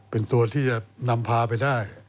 เป็นตัวที่จะนำพาไปได้